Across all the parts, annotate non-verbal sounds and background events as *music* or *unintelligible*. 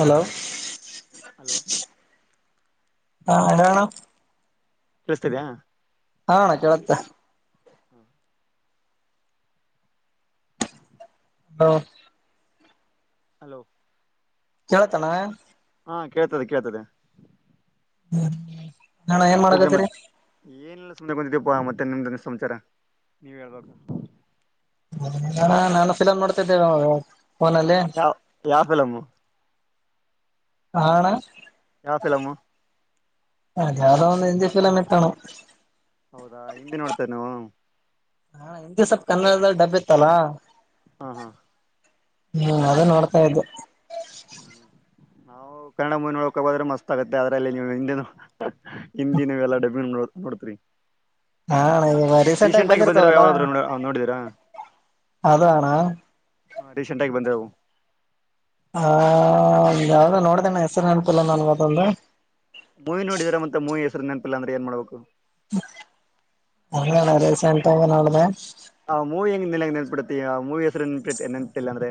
Hello hello ಹಾ ಅಣ್ಣ ಕೇಳೋಸ್ತಿದಿಯ ಹ ಅಣ್ಣ ಕೇಳುತ್ತೆ *inaudible* ಹ ಹಲೋ ಕೇಳತಣ್ಣ ಹಾ ಕೇಳ್ತದೆ ಕೇಳ್ತದೆ *inaudible* ಆ ಅಣ್ಣ ಏನ್ ಹೇಳ್ರಿ ಮತ್ ಮಾಡಕತಿರಿ ಏನಿಲ್ಲ ಸುಮ್ನೆ ಬಂದಿದ್ದೀಪ್ಪಾ ಮತ್ತೆ ನಿಮ್ದ ಏನ್ ಸಮಾಚಾರ ನೀವ ಹೇಳ್ಬೇಕು ನಾನು ಫಿಲಮ್ ನೋಡ್ತಿದೆ ಯಾವ ಯಾವ ಫಿಲಂ ಆ ಅಣ್ಣ ಯಾವ ಫಿಲಂ ಅದು ಯಾವುದು ಒಂದು ಹಿಂಡಿ ಫಿಲಂ ಇತಣ್ಣ ಹೌದಾ ಹಿಂದೆ ನೋಡ್ತೇರಾ ನೀವು ಹಾ ಹಿಂದಿ ಸ್ವಲ್ಪ ಕನ್ನಡದ ಡಬ್ ಇತ್ತಲ್ಲಾ ಹಾ ಹಾ ಹ್ಮ್ ಅದೇ ನೋಡ್ತಾ ಇದ್ದೆ ನಾವು ಕನ್ನಡ ಮೂವಿ ನೋಡಕಬೋದ್ರೆ ಮಸ್ತ್ ಆಗತ್ತೆ ಅದ್ರಲ್ಲಿ ನೀವು ಹಿಂದೆನು ಹಿಂದಿನವೆ ಎಲ್ಲ ಳ್ ಡಬ್ಬಿಂಗ್ ನೋಡ ನೋಡಿದ್ರಿ ಹಾ ಇವಾಗ ಆಗಿ ರೀಸೆಂಟ್ ಆಗ ಬಂದಿರಾವ ಬಂದಿರ್ತಾವಲ್ಲ ಯಾವಾದದ್ರು ನೋಡಿದೀರಾ ಅದು ಅಣ್ಣ ರೀಸೆಂಟ್ ಆಗಿ ಬಂದರವು. ಹ ಯಾವ್ದ ನೋಡ್ದೇಣ್ಣ ಹೆಸರು ನೇಪಲ್ಲ ನನ್ವತ್ತಂದು ಮೂವಿ ನೋಡಿದ್ರ ಮತ್ತೆ ಮೂವಿ ಹೆಸರು ನೆನಪಿಲ್ಲ ಅಂದ್ರೆ ಏನ್ ಮಾಡ್ಬೇಕು ರೀಸೆಂಟ್ ಹಾಗಿ ನೋಡಿದೆ ಆ ಮೂವಿ ಹೆಂಗ್ ನಿೆಂಗಗೆ ನೆನಪುಡ್ತೀಯ ಆ ಮೂವಿ ಹೆಸರು ನೆನ್ಪಿಟ್ಟ ನೆನಪು ಇಲ್ಲಾಂದ್ರೆ ಅಂದ್ರೆ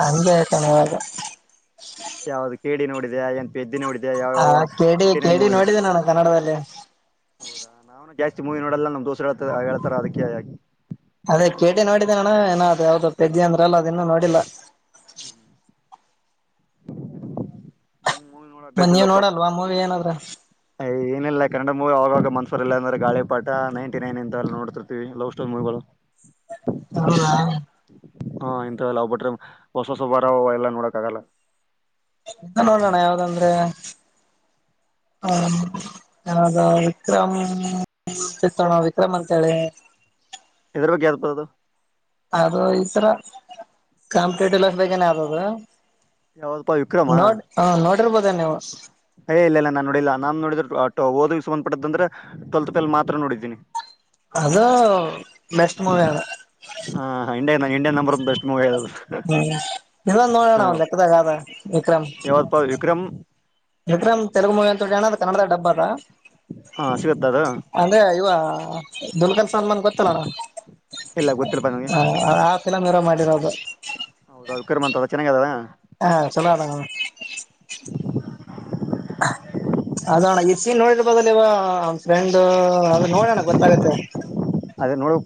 ಹಾಗೆ ಕಣ ಹೇಳಣ್ಣ ಯಾವ್ದ ಕೇಳಿ ನೋಡಿ ಏನ್ಿದ್ದಿನ ನೋಡತ ಹಾ ಕೇಳಿ ಕೇಳಿ ನೋಡಿದ್ದೆ ನಾನು ಕನ್ನಡದಲ್ಲಿ ಹೌದಾ ನಾವುನು ಜಾಸ್ತಿ ಮೂವಿ ನೋಡಲ್ಲ ನಮ್ಮ್ ದೋಸರು ಹೇಳ್ತ ಹೇಳ್ತಾರ ಅದಕ್ಕೆೇ ಆಗಿ ಅದೇ ಕೇಟಿ ನೋಡಿದ್ದ ನಣ ಏನ ಅ ಯಾವ್ದ ತೆಜಿ ಅಂದ್ರ ಅಲ್ಲ ಅದ ಇನ್ನುೂ ನೋಡಿಲ್ಲ ಹ ಮನ್ನ ನೀವ್ ನೋಡಲ್ವಾ ಅಮ್ಮವಿ ಏನಾದ್ರ. ಏನಿಲ್ಲಲ್ಲ ಕನ್ನಡ ಮೂವಿ ಆವಾಗ ಮನ್ಸವರ್ ಇಲ್ಲ ಅಂದ್ರೆ ಗಾಳಿ ಪಾಠ ನೈಂಟಿ ನೈನ್ ಅಂತ ಎಲ್ಲ ನೋಡ್ತಿರ್ತೀವಿ ಲವ್ ಸ್ಟೋರಿ ಮೂವಿಗಳು. ಹ್ಮಾ. ಹಾ ಇಥಲ್ಲ ಹೋಗಬಟ್ರೆ ಹೊಸ ಹೊಸವಬಾರ ಎಲ್ಲಾ ನೋಡಕ್ ಆಗಲ್ಲ. ಎಂತ ನೋಡೋಣ ಯಾವ್ದಂದ್ರೆ ಹ ಯಾವದ ವಿಕ್ರಮ್ ತಿತ್ತೋಣ ವಿಕ್ರಮ್ ಅಂತೇಳಿ. ಇ್ರ ಬಗ್ಗೆ ಯ್ದ ಪತದು. ಅದು ಈ ತರ ಕಾಂಪಿಟೇಟಿವ್ ಲೈಫ್ ಬಗ್ ಏನದು. ಯಾವ್ದಪ್ಪಾ ವಿಕ್ರಮ ಅಬಧನ್ಯವಾದ ಏ ಇಲ್ಲ ಇಲ್ಲ ನಾನ್ ನೋಡಿಲ್ಲ ನಾ ನೋಡಿದ್ರ ಓದಕ್ಕೆ ಸಂಬಂಧಪಟ್ಟದ್ದಂದ್ರೆ ಟ್ವಲ್ ಪ ಮಾತ್ರ ನೋಡಿದ್ದೀನಿ ಅದು ಬೆೆಸ್ಟ್ ಮೂವಿಯಾನ ಇಂಡ ಇಂಡಿಯನ್ ನಂಬರ್ ಒ ಬೆಸ್ಟ್ ಮೂವಿ ಆದು ಇದೊಂದ್ ಹ ನೋಡೋಣ ಒಂದ್ ಲೆಕ್ಕದಾಗ ಅದ ವಿಕ್ರಮ್ ಯಾವಪ್ಪ ವಿಕ್ರಮ್ ವಿಕ್ರಮ್ ತೆಲುಗು ಮೂವಿ ಅಂತಿ ಅಣ ಅದ ಕನ್ನಡ ಡಬ್ಬ ಅ ಹಾ ಸಿಗುತ್ತ ಅದು ಅಂದ್ರೆ ಇವ ಬಲ್ಕಲ್ ಗೊತ್ತಲ್ಲ ನ ಇಲ್ಲ ಗೊತ್ತಿಲ್ಲಪ್ಪ ನನಗೆ ಆ ಫಿಲಮ್ ಇರ ಮಾಡಿ ರಬ ಹೌದ ಅವಿಕ್ರಮ ಅಂತ ಚೆನ್ನಾಗದ ಹಾ ಚಲೋ ಅಣ ಅದಣ ಎ ನೋ ಬದಲುವಂಡ ದು ಅದು ನೋಡೋಣ ಗೊತ್ತಾಗತ್ತೆ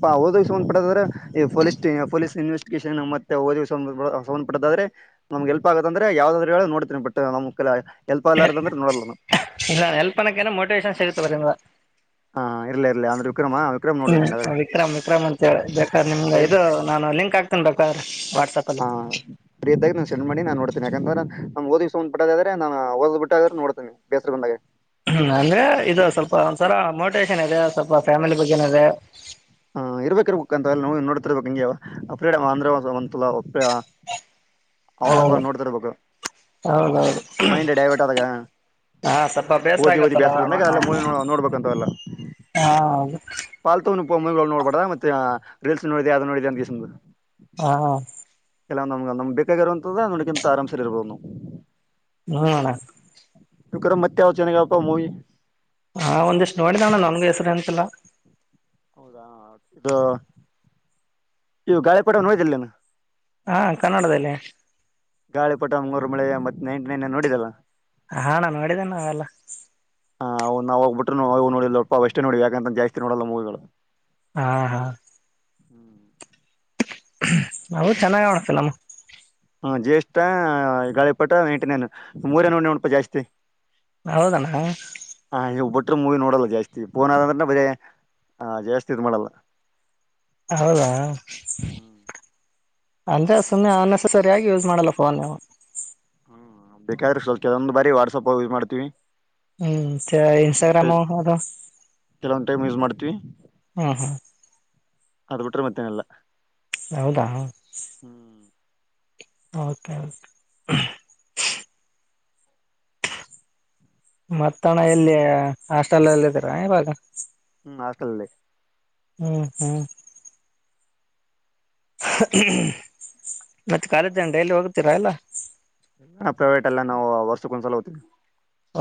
ಪಾ ಹೌದದು್ ಪಡೆದ್ರೆ ಈ ಪೊಲಸ್ ಪೊಲೀಸ್ ಇನ್ವೆಸ್ಟಗೇಷನ್ ಮತ್ತೆಓದ ಸಂಬಂಧಪಟ್ಟಾದ್ರೆ ನಮಗೆಲ್ಪ್ ಆಗೆಂದ್ರೆ ಯಾವದಾದ್ರು ಹೇಳ ನೋಡ್ತೀ ಬಟ್ ನಮ್ ಹೆಲ್ಪ್ ಆಗ್ಲಾರ್ದಂದ್ರೆ ನೋಡಲ್ಲ ನಾನು ಇಲ್ಲ ನ ಎಲ್ಪ್ಪನಕ ಏನ ಮೋಟಿವೇಶನ್ ಸಿಗತ ಬರಿಂದ ಹಾ ಇರ್ಲಿ ಇರ್ಲಿ ಅಂದ್ರೆ ವಿಕ್ರಮ ವಿಕ್ರಮ್ ನೋಡಿದ್ರಿ ಹ್ಮ್ ಹಂಗಾದ್ರೆ ವಿಕ್ರಮ್ ವಿಕ್ರಮ್ ಅಂತ ಬೇಕಾದ್ರ ನಿಮ್ಗೆ ಟೈಮ್ಸ್ ಇದು ನಾನು ಲಿಂಕ್ ಆಗ್ತೇನ ಬೇಕಾದ್ರ ವಾಟ್ಸಪ ಅಲ್ಲಿ ನಡ್ತಿ ಯಾಕಂದ ನ ಓದಿ್ಂದ ಬಿದ್ರ ನಾ ಓದ್ ಬಿಟ್ಟ್ರ ನೋಡ್ತೇಿ ಬೇಸ ಬಂದಾಗ ಹ್ಮ ಅಂದ್ರೆ ಇದು ಸ್ವಲ್ಪ ಒಂದ್ಸರ ಮೋಟಿವೇೇಶನ್ ಇದೆ ಸ್ವಲ್ಪ ಫ್ಯಾಮಿಲಿ ಬಗ್ಗೆನ ಇದೆ ಹಾ ಇರ್ಬೇಕಿ ಇರ್ಬೇಕುಕ್ ಅಂತ ನೋಡ್ತಿರ್ಬೇಕು ಹಿಂಗಗೆ್ರಡ ಆಂಧ್ರಂತಾ ಹೌದು ಹೌದೌದು ಮೈಂಡ್ ಡೈವರ್ಟ್ ಆದಾಗ ಹಾ ಸ್ವಲ್ಪ ಬೇಸರ ಓದಿ ಓದಿ ಆಗತ್ತಲ್ಲ ಬೇಸರ ಬಂದಾಗ ಅವಾಗ ಎಲ್ಲ ಮೂವಿ ನೋಡ್ಬೇಕಂತವಲ್ಲ ಹಾ ಹೌದು ಮೂವಿ ನೋಡ್ಬಾರದ ಮತ್ತೆ ರೀಲ್ಸ್ ನೋಡಿದೆ ಯ ನೋಡಿದೆ ಅಂತ ಹಾ ಎಲ್ಲ ನಮ್ಗೆ ನಮ್ ಬೇಕಾಗಿರುವಂತದ ನೋಡ್ಿಂತ ಆರಾಮಸರ್ ಇರ್ಬಹದುವು ಹ್ಮಣ *unintelligible* ತಕರ ಮತ್ತೆ ಅವ ಚೆನ್ನಾಗಪ್ಪ ಮೂವಿ, ಹಾ, ಒಂದಿಷ್ಟು ನೋಡಿದ ಅಣ್ಣ ನನ್ಗೂ ಹೆಸರುನೆನಪಿಲ್ಲಾ. ಹೌದಾ, ಇದು ಇವು ಗಾಳಿಪಟ ನೋಡ್ದಿಯಲ್ಲ. ಹಾ, ಕನ್ನಡದಲ್ಲಿ ಗಾಳಿ ಪುಟ ಮುಂಗೂರು ಮಳೆ, ಮತ್ತೆ ನೈಂಟಿ ನೈನ್ ನೋಡಿದಲ್ಲಾ.. ಹಾ, ಅಣ್ಣ ನೋಡಿದ್ದೇನೆ ಅವೆಲ್ಲ. ಹಾ್, ನಾವ ಅವಾಗ ಬಿಟ್ಟನವು ನೋಡಿವಿ, ಅಷ್ಟೇ ನೋಡಿವಿ ಯಾಕಂತ ಜಾಸ್ತಿ ನೋಡಲ್ಲ ಮೂವಿಗಳು. ಹಾ, ಹಾ,, ಹ್ಮ್, *inaudible* ಹೌ *unintelligible* ಚೆನ್ನಾಗ ಆವಣ್ಣ ಫಿಲಂ. ಹ ಜ್ಯೇಷ್ಠ ಗಾಳಿಪಟ ಎಂಟನೇ ಮೂರೇ ನೋಡಿನಪ ಜಾಸ್ತಿ., ಹೌದಣ್ಣ. ಹ ಇವು ಮೂವಿ ನೋಡಲ್ಲ ಜಾಸ್ತಿ ಫೋನ್ ಆದ್ರೆ ಬರೇ ಜಾಸ್ತಿ ಇದು ಮಾಡಲ್ಲ. ಹೌದಾ.. ಹ್ಮ್ ಅಂದ್ರೆ ಸುಮ್ಮನೆ ಅ ನೆಸೆಸರಿಯಾಗಿ ಯೂಸ್ ಮಾಡಲ್ಲ ಫೋನ್. ಹ್ಮ್, ಬೇಕಾದ್ರೆ ಸ್ವಲ್ಪದೊಂದ ಬಾರಿ ವಾಟ್ಸಾಪ್ ಯೂಸ್ ಮಾಡ್ತೀವಿ. ಹ್ಮ್, ಇನ್ಸ್ಟ ಇನ್ಸ್ಟಾಗ್ರಾಮು ಅದು. ಕೆಲವೊಂದ್ ಟೈಮ್ ಯೂಸ್ ಮಾಡ್ತೀವಿ ಹ್ಮ್, ಹಾ ಅದ ಬಿಟ್ರೆ ಮತ್ತೇನಿಲ್ಲ. ಹಾ, ಹೌದಾ ಹ ಹ್ಮ್ ಓಕೆ., ಮತ್ತಣ ಎಲ್ಲಿಯ ಹಾಸ್ಟೆಲ್ಲ್ಲ ಇದ್ದೀರಾ ಇವಾಗ. ಹ್ಮ್, ಆಸ್ಟಲಲ್ಲಿ. ಹ್ಮ್, ಹ್ಮ್ ಮತ್ತೆ ಕಾಲೇಜನ ಡೈಲಿ ಹೋಗತೀರಾ ಎಲ್ಲ. ಪ್ರೈವೇಟ್ ಎಲ್ಲ ನಾವು ವರ್ಷಕ್ಕೊಂದ್ ಸಲ ಹೋಗ್ತೀವಿ.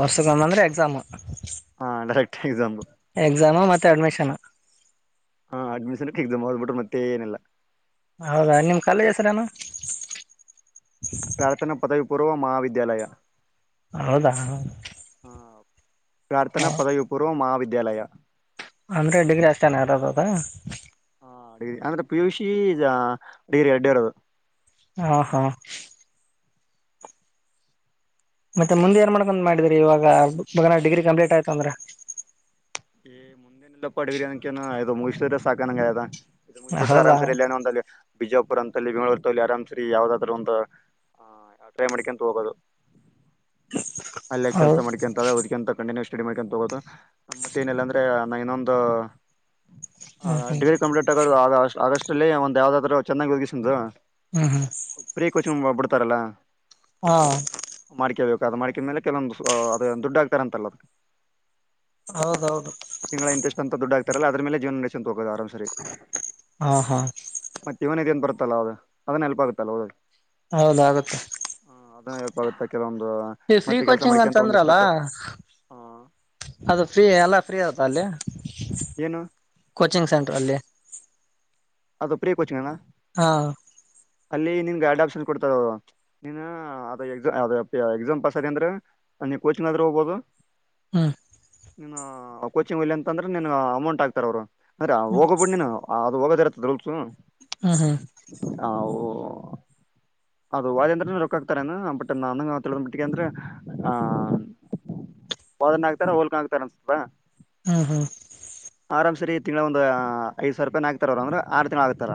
ವರ್ಷಕ್ಕೆ ಒಂದಂದ್ರೆ ಎಕ್ಸಾಮ್., ಹಾ, ಡೈರೆಕ್ಟ್ ಎಕ್ಸಾಮ್, ಎಕ್ಸಾಮ ಮತ್ತೆ ಅಡ್ಮಿಷನ್, ಹಾ, ಅಡ್ಮಿಷನ್ಕ್ ಎಕ್ಸಾಮ್ ಹದ್ಬಿಟ್ಟರು ಮತ್ತೆ ಏನೆಲ್ಲ. ಹೌದಾ, ನಿಮ್ ಕಾಲೇಜ ಹೆಸರನು. ಪ್ರಾರ್ಥನಾ ಪದವಿ ಪೂರ್ವ ಕಾಲೇಜು. ಪೂರ್ವ ಮಹಾವಿದ್ಯಾಲಯ. ಹೌದಾ ಪ್ರಾರ್ಥನಾ ಪದವಿ ಪೂರ್ವ ಮಹಾವಿದ್ಯಾಲಯ. ವಿದ್ಯಾಲಯ., ಅಂದ್ರೆ ಡಿಗ್ರಿ ಅಷ್ಟನ ಇರದ ಅದಾ. ಹಾ ಡಿಗ್ರಿ ಅಂದ್ರೆ ಪಿ, ಯು, ಸಿ ಡಿಗ್ರಿ ಎಡ್ಡು ಇರೋದು. ಹ, ಹಾ,,, ಮತ್ತೆ ಮುಂದೆ ಏನ್ ಮಾಡ್ಕೊಂಡ್ ಮಾಡಿದರಿ ಇವಾಗ ಬಗನ ಡಿಗ್ರಿ ಕಂಪ್ಲೀಟ್ ಆಯ್ತು ಅಂದ್ರ. ಮುಂದೆನೆಲ್ಲಪ್ಪ ಡಿಗ್ರ ಅನಕೇನ ಮುಂದೆಮುಗಿಸಿದ್ರ ಸಾಕಾನಂಗ ಆಗದಾ. ಇದು ಮುಗದಬಿಟ್ರ ಆರಾಮ ಹೌದಾ ಸರಿ ಇಲ್ಲೇನ ಒಂದಲ್ಲಿ ಬಿಜಾಪುರ್ ಅಂತ ಬೆಂಗಳೂರುಲ್ಲಿ ಆರಾಮ್ಸರಿ ಯಾವದಾದರೂ ಒಂದು ಅ ಟ್ರೈ ಮಾಡಿಕೊಂತ ಹೋಗೋದು ಅಲ್ಲೇ ಕೆಲ್ಸ ಹೌದು ಮಾಡ್ಕ ಅಂತ ಹೊದಕೆಂತ ಕಣ ಚಡಿ ಮಾಡ್ಕೊಂಡಂತ ತಗೋದತ್ತ ಮೇನಿಲ್ಲ ಅಂದ್ರೆ ನಾ ಇನ್ನೊಂದು ಹ ಹ್ಮ್ ಹ್ಮ್ ಡಿಗ್ರಿ ಕಂಪ್ಲೀಟ್ ಆಗೋದು ಆ ಆಗಸ್ಟ್ ಅಷ್ಟಲ್ಲಿ ಒಂದು ಯಾವದಾದ್ರು ಚೆನ್ನಾಗಿ ಒದಗಸಿದರು ಹ್ಮ್ ಹ್ಮ್ ಉಪರ ಕುಚ್ ಮುಬಡ ತರಲ ಹಾ ಅದು ಮಾಡ್ಕಿದ ಮೇಲೆ ಕೆಲವೊಂದು ಅದ ದುಡ್ಡ ಆಗ್ತಾರ ಅಂತಲ್ಲ ಅದಕ್ಕೆ ಹೌದೌದು ತರ ಅದ್ರೇಲೆ ಜವನ ನಸ ಹೋಗೋದು ಆರಾಮ್ ಸರಿ ಹಾ ಹಾ ಮತ್ತೆ ಇವನದ ಏನ್ ಬರ್ತ್ತ ಹೌದು ಅದನ್ನ ನೆಲ್ಪ ಆಗುತ್ತಲ್ಲ ಹೌದದು ಹೌದ ಆಗುತ್ತೆ ಬತ ಕೆಲಮ ನೀ ಫ್ರೀ ಕೋಚಿಂಗ್ ಅಂತ ಅಂದ್ರಲ್ಲ ಅದು ಫ್ರೀ ಅಲ್ಲ ಏನು *inaudible* ಕೋಚಿಂಗ್ ಸೆಂಟರ್ ಅಲ್ಲಿ ಅದು ಪ್ರಿಯ ಕೋಚಿಂಗನಾ ಹಾ ಅಲ್ಲ ನಿ ಡಪ್ನ್ ಕೊಡ್ತ ಎಕ್ಸಾಮ್ ಪಾಸ್ ಅಂದ್ರೆ ಕೋಚಿಂಗ್ ಆದ್ರೂ ಹೋಗಬಹದು ಹ್ಮ ನೀನ್ ಕೋಚಿಂಗ್ ಹೊಲಿ ಅಂತಂದ್ರೆ ನಿನ್ ಅಮೌಂಟ್ ಆತಾರ ಅವ್ರು ಅಂದ್ರೆ ಹೋಗೋಬ ಬಿಡ್ ನೀನು ಅದು ಹೋಗೋದ *inaudible* *inaudible* ಹ್ಮ್ ಹ್ಮ್ ಓ ಅದು ವಾದ ಅಂದ್ರ ರೊಕ್ಕ ಹಾಕ್ತಾರ ಬಟ್ ನ ತಿ ಮಟ್ಟಿಗೆ ಅಂದ್ರೆ ಆ ವಾದನ ಹಾಕ್ತಾರ ಹೋಲ್ಕ ಹಾಕ್ತಾರ ಅನ್ ಸ್ಲ್ಪ ಹ್ಮ ಹಾ ಆರಾಮ್ ಸರಿ ತಿಳ ಒಂದು ದು ಸಾವಿ ರಪಾಯ ನ ಹಾಕ್ತಾರ ಅವ್ರರ ಆರ್ ದಿನ ಆಗ್ತಾರ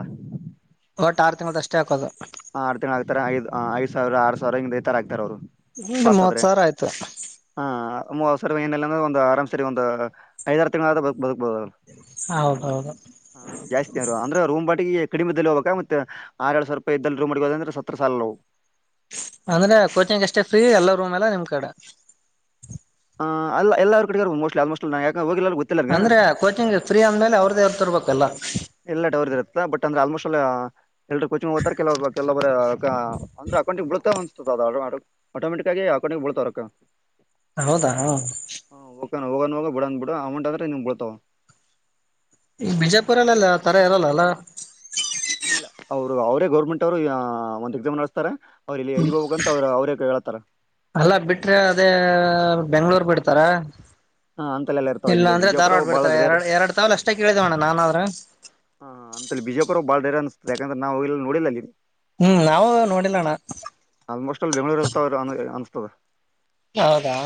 ಒಟ್ಟ ಆರು ತಿಂಗಗಳು ಅಷ್ಟೇ ಹಾಕೋದು ಆ ಆರ್ ತಿಗಳು ಆಗ್ತಾರೆ ಆಯದು ಹ ಐದು ಸಾವರ ಆ ಸಾವರ ಹಂಗ್ ಥರ ಆಗ್ತ ಅವರು ಪಸ್ ಮೂವತ್ ಆದ್ರೆ ಸಾವಿರ ಆಯ್ತು ಹಾ ಮೂ ಅವಸರ ಏನೆಲ್ಲ ಒಂದು ಆರಾಮ್ ಸರಿ ಒಂದು ಐದಾರು ತಿಂಗಳ ಬ ಹೌದೌದು ಜಾಸ್ತಿ ಅಂದ್ರೆ ರೂಮ್ ಬಾಟಿಗೆ ಕಡಿಮೆದಲ್ಲಿ ಹೋಗಾಗ ಮತ್ತೆ ಆ ಎರ ಸಾವರ ಪ್ದೂಮ ಸಾಲ ಅಂದ್ರೆ ಕೋಚಿಂಗ್ ಅಷ್ಟೇ ಫ್ರೀ ಎಲ್ಲ ರೂಮ್ ಎಲ್ಲ ನಿಮ ಕಡೆ ಆ ಅಲ್ಲ ಎಲ್ಲರರು ಕಡೆ ಮೋ ಆಲ್ಮೋಟ್ ನ ಅಂದ್ರೆ ಕೋಿಂಗ ್ರೀ ಅಂದ್ಮೇಲೆ ಅವ್ರದ್ದೇ ಅವ್ರ ತೊರ್ಬೇಕು ಕಲ ಎಲ್ಲಾ ಡವರ್ ಇರುತ್ತ ಬಟ್ ಅಂದ್ರೆ ಆಲ್ಮೋಸ್ಟ್ ಎಲ್ರು ಕೋಚಿಂಗ್ ಹೋಗ್ತಾರೆ ಕೆಲ ಕೆಲ ಅಂದ್ರೆ ಅಕೌಂಟ ಬಳುತ್ತ ಆಟೋಮೆಟಿಕ್ಗಿ ಹಾಕೊಂಡ ಬಳ್ತರಕ್ಕ ಹೌದಾ ಹ ಹೋಗನ್ ಹೋಗ ಬಿಡನ್ ಬಿಡ ಅಮೌಂಟ್ ಆದ್ರೆ ಇಮ್ ಬಿಡ್ತಾವ ಈ ಬಿಜಾಪುರಲ್ಲೆಲ್ಲ ತರ ಇರಲ್ಲಲ್ಲ ಇಲ್ಲ ಹೌದು ಅವರೇ ಗೌರ್ಮೆಂಟ್ ಅವರು ಒಂದ ಎಕ್ಸಾಮ್ ನಡೆಸ್ತಾರೆ ಅವ್ರು ಇಲ್ಲಿ ಹ್ಮ ಎಲ್ಲಿಗೆ ಹೋಗ್ಬೇಕಂತ ಅವ್ರು ಅವರೇ ಹೇಳ್ತಾರ ಅಲ್ಲ ಬಿಟ್ರೆ ಅದೇ ಬೆಂಗ್ಳೂರ್ ಬಿಡ್ತಾರ ಹಾ ಅಂತಲ್ಲೆಲ್ಲ ಇರ್ತಾವ ಇಲ್ಲ ಇಲ್ಲಿ ಅಂದ್ರೆ ಬಿಜಾಪುರ ಧಾರ್ವಾಡ್ ಬಾಳ ಬಿಡ್ತಾರೆ ರೇರ್ ಎರಡ್ ಎರಡ್ ತಾವಲ್ ಅಷ್ಟೇ ಕೇಳಿದೇವಣ್ಣ ನಾಾನಾದ್ರೂ ಹ ಹಾ ಅಂತಲ್ಲಿ ಬಿಜಯಪುರ ಬಾಳ್ ಬಡೇ ಅಿಸ್ತದೆ ಯಾಕಂದ್ರ ನಾವು ಇಲ್ಲ ನೋಡಿದ ಹ್ಮ್ ನಾವವು ನೋಡಿಲ್ಲಣ ಪ್ಪ ಹೌದಾ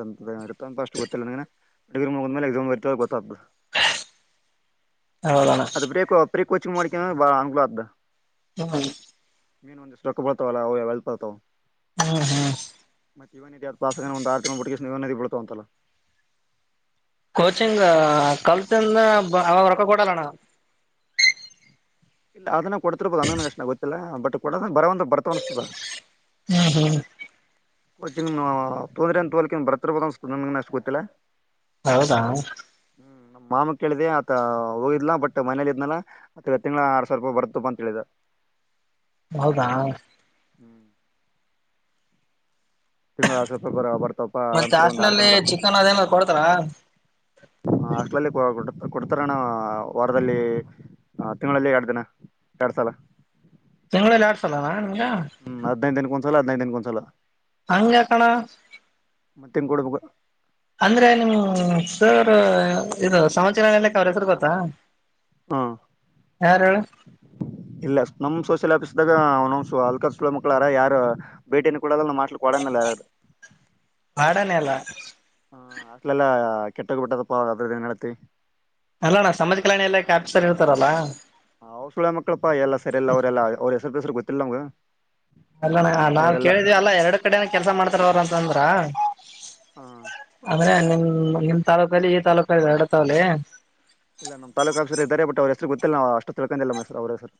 ಹ್ಮ್ಮ್. ತಪ ಅಷ್ಟು ಗೊತ್ತಿಲ್ಲ ನಗೆ ಡಿಗ್ರಗ ಮಲೆ ಎಕ್್ರ್ತ ಗೊತ್ತ ಹದಣ ರಿ ಕೋಚಿಂಗ ಮಾಡಕ ಬಾ ಆಂಗ್ಲ ಅದ. ಹ್ಮ. ಮೀನು ಒಂದಷ್ಟುೊಕ್ಕ ಬಡ್ತಾವ ಅಲ್ಲಲ್ಪಡ್ತಾವವು. ಹ್ಮ್ ಹ್ಮ್. ಮತ್ತೆ ಇವನ ಅ ಪಾಸಗ ಒಂದಂದು ಆರು ತಿ ಬಿಟ್ಟಿಗೆ ಸ್ ಇವನ ಬಿಡ್ತಾವ ಅಂತಲ್ಲ. ಕಚಿಂಗ್ ಕಲ್ತಿಂದ ವರಕ ಕೊೂಡಾಲಣ್ಣ. ಇಲ್ಲ ಅದನ್ನ ಕೊಡ್ತಿರಬದು ಅ ನನಷ್ಟ ಗೊತ್ತಿಲ್ಲ ಬಟ್ ಡ ಬರುವಂತ ಬರ್ತಾ ಅನಿಸ್ತದ ಹ್ಮ್ ಹ್ಮ್ ಕೋಚಿ ನಿಮ ತೊಂದ್ರ ಅಂತೋಲಿಕ ಬರ್ತಿರ್ಬೋ ಅನ್ ಅಷ್ಟ ಗೊತ್ತಿಲ್ಲ ಹೌದಾ *unintelligible* ಹ್ಮ್ ನಮ್ಮ ಮಾಮ ಕೇಳಿದ ಆತ ಹೋಗಿದ್ಲಾ ಬಟ್ ಮನೇಲಿ ಇದ್ನಲ್ಲ ಆತ್ಗ ತಿಂಗಳಳ ಆರ್ ಸಾವಿರ ರೂಪಾಯಿ ಬರುತ್ತಪ್ಪ ಅಂತ ಹೇಳಿದ ಹೌದಾ ತಿಂಗಳ ಆರ್ ಸಾವಿರ ರೂಪಾಯಿ ಬರ್ತಪ್ಪ ಮತ್ತೆ ಆರಾಮ್ಸರಿ ಒಂದ್ ಆರ್ ಹಾಸ್ಲಲ್ಲಿ ತಿಂಗಳ ಬರ್ತಪ್ಪ ಚಿಕನ್ ಅದೇನ ಕೊಡ್ತಾರ ಹ ಅಷ್ಟರಲ್ಲಿ ಕೊಡ್ತಾರಣ ವಾರದಲ್ಲಿ ತಿಂಗಳಲ್ಲಿ ಎರಡು ದಿನ ಎರಡು ಸಲ ತಿಂಲ್ಲಿ ಆಡ್ಸಲ್ಲಲ್ಲ ಹ್ಮ್ ಹದ್ೈದು ದಿನ ಒಂದು ಹದಿನೆಂದು ದಿನಕೊನ್ಸಲ ಹಗೆ ಕಣ ಮತ್ತೆ ಹೆಂಗ ಕೊಡ್ಬೇಕ *unintelligible* ಅಂದ್ರೆ ನಿಮ ಸ ಇದು ಸಮಾಚಾರ ನಲೆಕ್ಕ ಅವ್ರ ಹೆಸರು ಗೊತ್ತಾ ಹಾ ಯಾರು ಹೇಳು ಇಲ್ಲ ನಮ ಸ ಾಪಿಸಿದಾಗ ಅವ ಅಕ ಸುಲ ಮಕ್ಕಳಾರ ಯಾರ ಭೇಟಿನ ಕೂಡಲ್ಲ ಮಾಡ್ ಕೊಡಲ್ಲ ಯಾರ ಕಡನೆಲ್ಲ ಹ ಅಗ್ಲೆಲ್ಲಾ ಕೆಟ್ಟೋಗ ಬಿಟ್ಟದಪ್ಪ ಅದ್ರದ್ದನ್ ನಡತಿ ಅಲ್ಲ ನಾ ಸಮಾಜ ಕಲ್ಯಾಣಿ ಎಲ್ಲ ಕಾಪಿಸಸರ್ ಇರ್ತಾರಲ್ಲ ಹ ಅವ್ರು ಸುಳ್ಯ ಮಕ್ಕಳಪ್ಪಾ ಎಲ್ಲ ಸರಿಯಲ್ಲ ಅವರೆಲ್ಲ ಅವ್ರ ರ್ಸರ್ ಗತ್ತಿರ್ಲಗೆ ಅಲ್ಲ ನಾವ್ ಕೇಳಿದಿವವಿ ಅಲ್ಲ ಎರಡು ಕಡೆನ ಕೆಲ್ಸ ಮಾಡ್ತಾರ ಅವ್ರ ಅಂತಂದ್ರ ಹ ಆದ್ರೆ ನಿಮ ಹ್ಮ ನಿಮ್ ತಾಲೂಕಲ್ಲಿ ಈ ತಾಲ್ಲೂಕ ಇದೆ ಎರಡ ತಾವಲಿಿ ಇಲ್ಲ ನಮ್ ತಾಲೂಕ್ ಆಫೀಸರ್ ಇದ್ದಾರೆ ಬಟ್ ಅವ್ರ ಗೊತ್ತಿಲ್ಲ ಅಷ್ಟು ತಿಳ್ಕೊಂಡಿಲ್ಲ ಮರ್ ಅವರೇ ಸರ್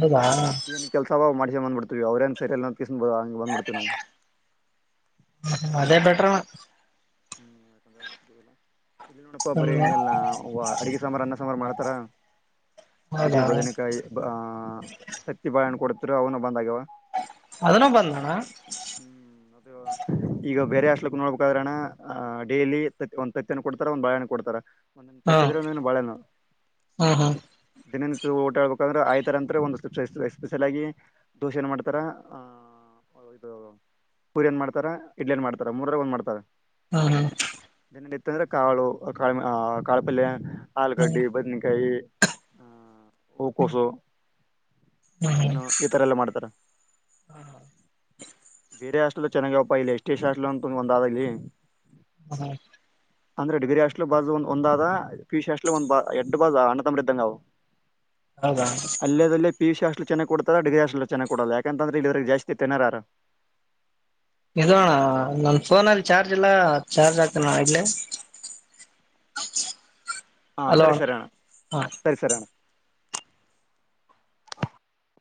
ಹೌದಾ ಏನ್ ಕೆಲ್ಸಾವ ಮಾಡ ಮಂದ್ಡ್ತೀ ಅವ್ರೇನ್ ಸರಿಯ ಪಯನ್ಪತ್ತನವು ಹ ಅದೇ ಬೆಟರ್ ಹ್ಮ್ಕಲ್ಲ *unintelligible* ಇಲ್ಲಿ ನೋಡಪ್ಪಾ ಬರೇ ಸುಮ್ನೆ ಏನಲ್ಲಾ ಅಡಿಗೆ ಸಾರ್ರ ಅ ಸುಮಾರು ಮಾಡ್ತಾರ ಇದೇ ಹೌದಾ ಬದನಕಾಯ ತತ್ತಿ ಬಾಳಣ ಕೊಡ ಹ ಅವನು ಬಂದಗ್ಯವ ಅದನ್ನ ಬಂದಣ ಹ್ಮ್ ಅದು ಈಗ ಬೇರೆ ಅಷ್ಟಲಕ್ ನೋಡ್ಬೇಕಾದ್ರಣ ಡೈಲಿ ತತ್ ಒಂದ್ತ್ತನ್ನು ಕೊಡ್ತಾರ ಒಂದ್ ಬಾಳೆನ ಕೊಡ್ತಾರ ಹಾ ಒಂದದ್ರ ಒಂದ ಬಾಳೆನು ಹ್ಮ್ ಹ್ಮ್ ದಿನ. ಇ ಓಟ ಹಬೇಕಂದ್ರೆ ಆಯ್ತರ ಅಂತ ಒಂದು ಸ್ಪ್ ಸ್ಪೆಷಲ್ ಆಗಿ ದೋಸೆ ಏನ್ ಮಾಡ್ತಾರೆ. ಪೂರಿ ಏನ್ ಮಾಡ್ತಾರ ಇಡ್ಲಿ ಏನ್ ಮಾಡ್ತಾರ ಮೂರರೆ ಒಂದ್ ಮಾಡ್ತಾರ. ಹಾ ಹಾ. ತಂದ್ರೆ ಕಾಳು ಕಾಳ ಕಾಳಪಲ್ಲ್ಲಯ. ಹ್ಮ್ ಆಲೂಗಡ್ಡಿ ಬದನಕಾಯಿ. ಹೂಕೋಸು. ಹ್ಮ ಹ ಚಿಕನ್ ಈ ತರ ಎಲ್ಲ ಮಾಡ್ತಾರೆ. ಬೇರೆ ಹಾಸ್ಟೆಲ್ ಎಲ್ಲಾ ಚೆನ್ನಾಗ ಅವ ಪಾ ಇಲ್ಲಿ S T S C hostel ಅಂತನು ಒಂದಾದ ಇಲ್ಲಿ ಹ್ಮ್ ಹ್ಮ್ ಅಂದ್ರೆ ಡಿಗ್ರಿ ಹಾಸ್ಟೆಲ್ ಬಾಜು ಒಂದಾದ ಪಿಯುಸಿ ಹಾಸ್ಟೆಲ್ ಒಂದ ಬಾಜು ಒ ಎಡ್ಡು ಬಡ್ಡು ಅಣ್ತಮ್ಮಂದಿರ್ ಇದ್ದಂಗಅವ. ಹೌದಾ. ಪಿ ಯು ಸಿ ಹಾಸ್ಟೆಲ್ ಚೆನ್ನಾಗಿ ಕೊಡ್ತಾರ ಡಿಗ್ರಿ ಹಾಸ್ಟೆಲ್ದಾಗ ಚೆನ್ನಾಗಿ ಯಾಕಂತಂದ್ರ ಇದ್ರ ಜಾಸ್ತಿ ತಿನ್ನೋರು ಯಾರ. ಇದು ನನ್ ಫೋನ ಅಲ್ಲಿ ಚಾರ್ಜ್ ಇಲ್ಲ ಚಾರ್ಜ್ ಆಗ್ತನಾ ಇಡ್ಲೆ. ಹಾ ಸರಿ ಸರಿಯಣ್ಣ ಸರಿ ಸರಿಯಣ್ಣ.